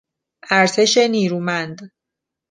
ارتش نیرومند